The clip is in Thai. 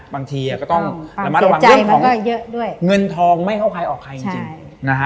บางทีก็ต้องระมัดระวังเรื่องของเงินทองไม่เข้าใครออกใครจริงนะฮะ